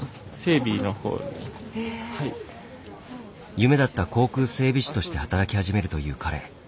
夢だった航空整備士として働き始めるという彼。